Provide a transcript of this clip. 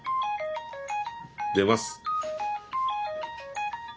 出ます。